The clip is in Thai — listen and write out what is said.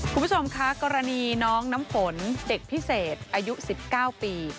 คุณผู้ชมคะกรณีน้องน้ำฝนเด็กพิเศษอายุ๑๙ปี